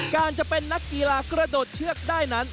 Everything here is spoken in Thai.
การจะเป็นนักกีฬากระโดดเชือกได้นั้น